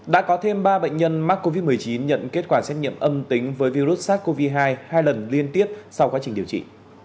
đã có thêm ba bệnh nhân mắc covid một mươi chín nhận kết quả xét nghiệm âm tính với virus sars cov hai hai lần liên tiếp sau quá trình điều trị